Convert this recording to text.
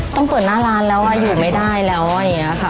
ต้องเปิดหน้าร้านแล้วอยู่ไม่ได้แล้วอย่างนี้ค่ะ